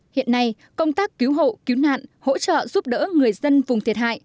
hiện nay công tác cứu hộ cứu nạn hỗ trợ giúp đỡ người dân vùng thiệt hại